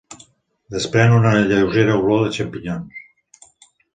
Desprèn una lleugera olor de xampinyons.